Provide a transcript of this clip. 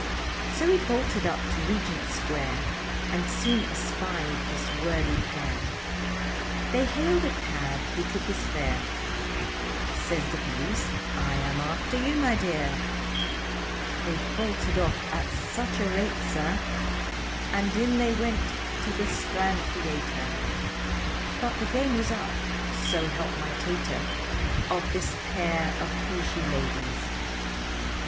So he bolted up to Regent Square, And soon espied this worthy pair, They hailed a cab, who took his fare, Says the police, I am after you my dear. They bolted off at such a rate, sir, And in they went to the Strand Theatre, But the game was up, so help my tater, Of this pair of he she ladies.